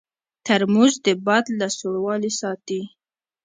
ترموز د باد له سړوالي ساتي.